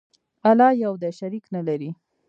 الله یو دی، شریک نه لري.